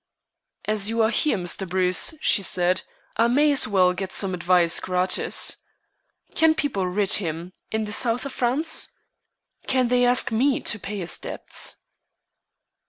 "As you are here, Mr. Bruce," she said, "I may as well get some advice gratis. Can people writ him in the South of France? Can they ask me to pay his debts?"